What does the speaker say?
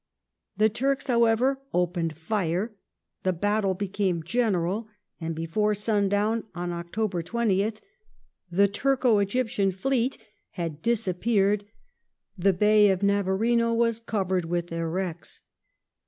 The Turks, however, opened fire; the battle became general, and before sundown on October 20th the Turko Egyptian fleet ''had disappeared, the Bay of Navarino was covered with their wrecks